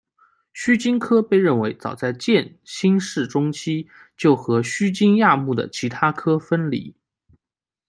须鲸科被认为早在渐新世中期就和须鲸亚目的其他科分离。